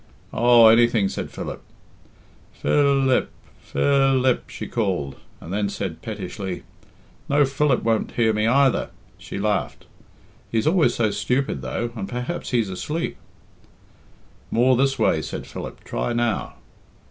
"Oh, anything," said Philip. "Phil ip! Phil ip!" she called, and then said pettishly, "No, Philip won't hear me either." She laughed. "He's always so stupid though, and perhaps he's asleep." "More this way," said Philip. "Try now."